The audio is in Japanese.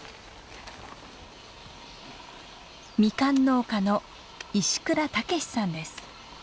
ミカン農家の石倉健さんです。